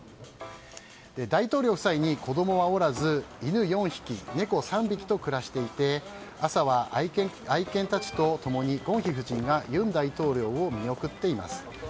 大統領夫妻に子供はおらず犬４匹猫３匹と暮らしていて朝は、愛犬たちと共にゴンヒ夫人が尹大統領を見送っています。